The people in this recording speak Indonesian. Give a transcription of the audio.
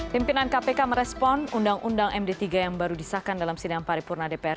pimpinan kpk merespon undang undang md tiga yang baru disahkan dalam sidang paripurna dpr